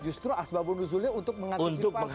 justru asbabun nuzulnya untuk mengantisipasi